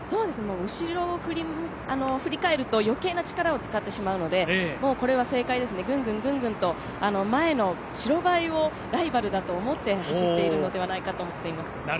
後ろを振り返ると余計な力を使ってしまうのでこれは正解ですね、ぐんぐんぐんぐんと前の白バイをライバルだと思って走っているのではないかと思っています。